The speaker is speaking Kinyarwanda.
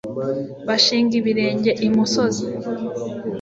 bagishinga ibirenge imusozi